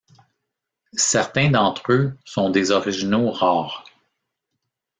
Certains d'entre eux sont des originaux rares.